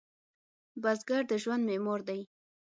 بزګر د ژوند معمار دی